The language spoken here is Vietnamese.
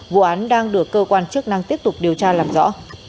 vụ án đang được cơ quan chức năng tiếp tục điều tra làm rõ